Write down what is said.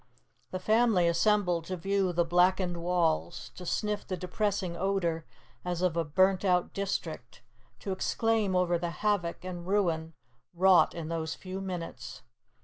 The family assembled to view the blackened walls, to sniff the depressing odor, as of a burnt out district, to exclaim over the havoc and ruin wrought in those few minutes.